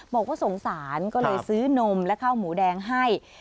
บอกว่าสงสารก็เลยซื้อนมและข้าวหมูแดงให้